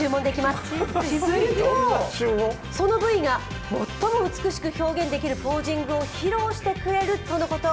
すると、その部位が最も美しく表現できるポージングを披露してくれるとのこと。